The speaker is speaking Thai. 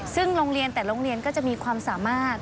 ซึ่งโรงเรียนแต่โรงเรียนก็จะมีความสามารถ